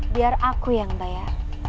biar aku yang bayar